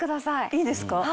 いいですか？